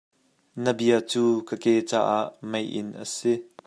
Na bia cu ka ke caah meiinn a si.